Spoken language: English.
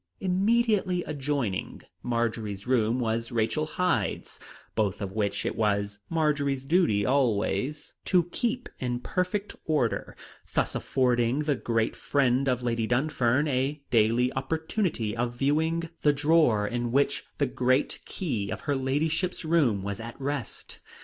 Immediately adjoining Marjory's room was Rachel Hyde's, both of which it was Marjory's duty always to keep in perfect order, thus affording the great friend of Lady Dunfern a daily opportunity of viewing the drawer in which the great key of her ladyship's room was at rest.